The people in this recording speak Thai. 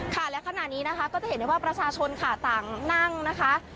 และขณะนี้นะคะก็จะเห็นได้ว่าประชาชนค่ะต่างนั่งนะคะ